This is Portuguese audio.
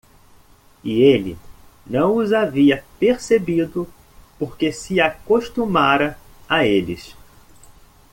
E ele não os havia percebido porque se acostumara a eles.